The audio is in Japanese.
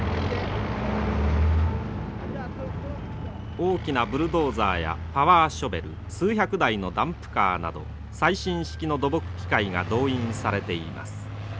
大きなブルドーザーやパワーショベル数百台のダンプカーなど最新式の土木機械が動員されています。